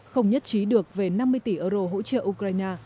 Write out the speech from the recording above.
không nhất trí được về năm mươi tỷ euro hỗ trợ ukraine